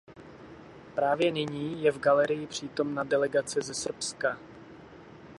Právě nyní je v galerii přítomna delegace ze Srbska.